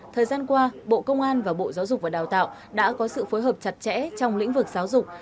thời gian qua bộ công an và bộ giáo dục và đào tạo đã có sự phối hợp chặt chẽ trong lĩnh vực giáo dục